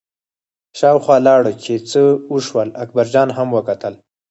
شاوخوا لاړه چې څه وشول، اکبرجان هم وکتل.